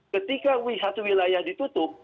ketika satu wilayah ditutup